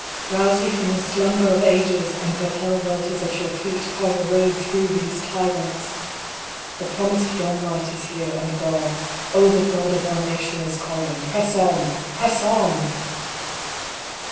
rouse ye from the slumber of ages, and, though Hell welters at your feet, carve a road through these tyrants ! HEAR, ISRAEL! 85 The promised dawn light is here j and God O the God of our nation is calling ! Press on press on